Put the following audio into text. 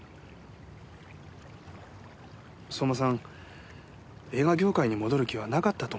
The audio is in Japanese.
映画業界に戻る気はなかったと思います。